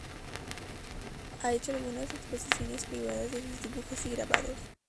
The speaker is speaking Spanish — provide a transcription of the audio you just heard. Ha hecho algunas exposiciones privadas de sus dibujos y grabados.